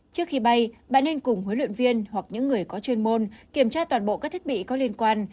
trước khi bay bạn nên cùng huấn luyện viên hoặc những người có chuyên môn kiểm tra toàn bộ các thiết bị có liên quan